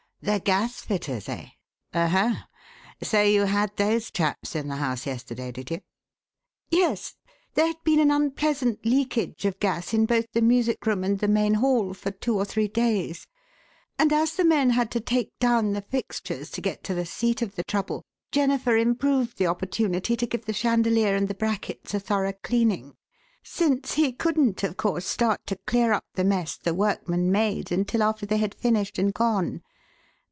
"The gasfitters, eh? Oho! So you had those chaps in the house yesterday, did you?" "Yes. There had been an unpleasant leakage of gas in both the music room and the main hall, for two or three days, and as the men had to take down the fixtures to get to the seat of the trouble, Jennifer improved the opportunity to give the chandelier and the brackets a thorough cleaning, since he couldn't of course start to clear up the mess the workmen made until after they had finished and gone.